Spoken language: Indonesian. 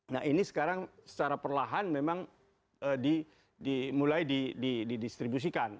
nah ini sekarang secara perlahan memang mulai didistribusikan